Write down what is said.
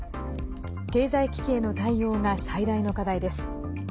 経済危機への対応が最大の課題です。